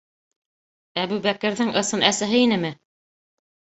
Әбүбәкерҙең ысын әсәһе инеме?